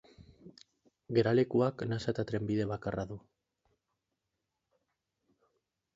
Geralekuak nasa eta trenbide bakarra du.